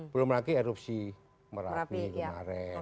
belum lagi erupsi merapi kemarin